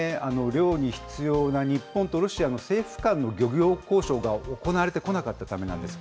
漁に必要な日本とロシアの政府間の漁業交渉が行われてこなかったためなんです。